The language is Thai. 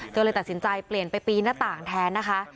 เลยตัดสินใจเปลี่ยนไปปีนหน้าต่างแทนนะคะ